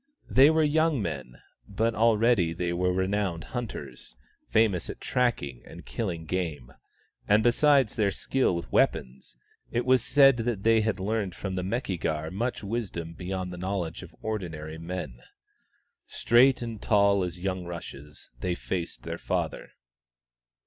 They were young men, but already they were renowned hunters, famous at tracking and killing game : and besides their skill with weapons, it was said that they had learned from the Meki gar much wisdom beyond 22 THE STONE AXE OF BURKAMUKK the knowledge of ordinary men. Straight and tall as young rushes, they faced their father.